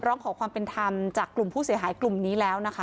ร้องขอความเป็นธรรมจากกลุ่มผู้เสียหายกลุ่มนี้แล้วนะคะ